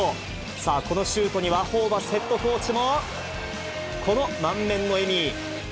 さあ、このシュートには、ホーバスヘッドコーチも、この満面の笑み。